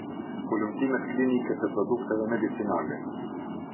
Hulumtimet Klinike të Produkteve Medicinale.